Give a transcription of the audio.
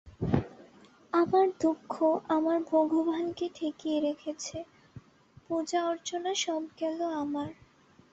আমার দুঃখ আমার ভগবানকে ঠেকিয়ে রেখেছে, পূজা অর্চনা সব গেল আমার।